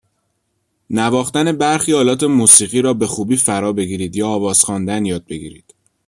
نواختن برخی آلات موسیقی را به خوبی فرابگیرید یا آواز خواندن یاد بگیرید.